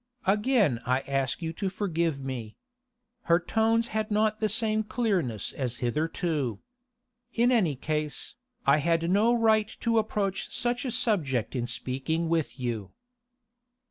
'Again I ask you to forgive me.' Her tones had not the same clearness as hitherto. 'In any case, I had no right to approach such a subject in speaking with you.